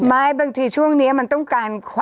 บางทีช่วงนี้มันต้องการ